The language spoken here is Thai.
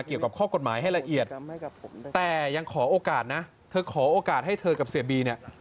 เกี่ยวกับข้อกฎหมายให้ละเอียดแต่ยังขอโอกาสนะเธอขอโอกาสให้เธอกับเสียบีเนี่ย